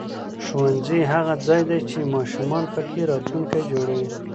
ښوونځی هغه ځای دی چې ماشومان پکې راتلونکی جوړوي